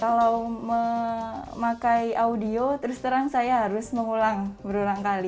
kalau memakai audio terus terang saya harus mengulang berulang kali